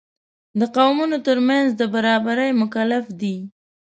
د قومونو تر منځ د برابرۍ مکلف دی.